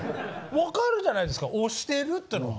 分かるじゃないですか押してるっていうのは。